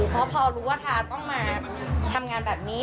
เพราะพอรู้ว่าทาต้องมาทำงานแบบนี้